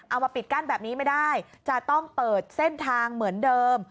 เอามาปิดกั้นแบบนี้ไม่ได้จะต้องเปิดเส้นทางเหมือนเดิม